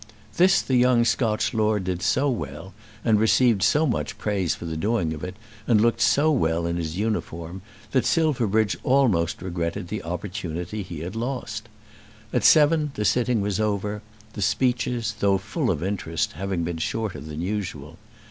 This the young Scotch Lord did so well, and received so much praise for the doing of it, and looked so well in his uniform, that Silverbridge almost regretted the opportunity he had lost. At seven the sitting was over, the speeches, though full of interest, having been shorter than usual.